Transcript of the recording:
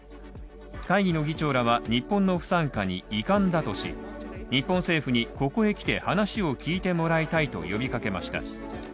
会議の議長らは、日本の不参加に遺憾だとし日本政府にここへ来て話を聞いてもらいたいと呼び掛けました。